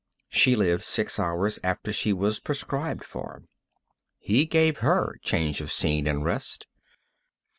She lived six hours after she was prescribed for. He gave her change of scene and rest.